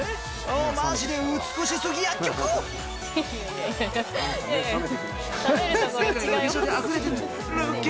まじで美しすぎ薬局！